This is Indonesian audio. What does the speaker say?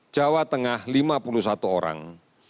jawa tengah lima puluh satu orang